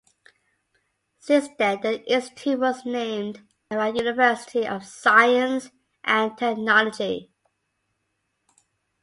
Since then the institute was named Iran University of Science and Technology.